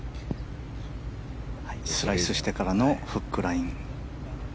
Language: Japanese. スライスしてからのフックライン。